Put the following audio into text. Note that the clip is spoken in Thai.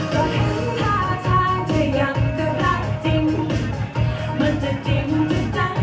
ถ้าประชาจะยังเธอพร้อมจริงมันจะจริงมันจะจัง